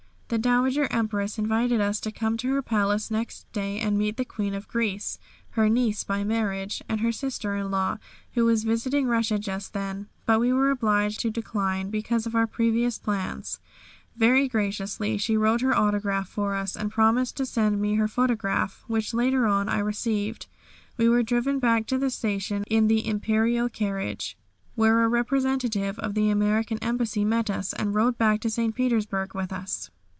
The Dowager Empress invited us to come to her palace next day and meet the Queen of Greece, her niece by marriage, and her sister in law who was visiting Russia just then, but we were obliged to decline because of previous plans. Very graciously she wrote her autograph for us and promised to send me her photograph, which later on I received. We were driven back to the station in the Imperial carriage, where a representative of the American Embassy met us and rode back to St. Petersburg with us.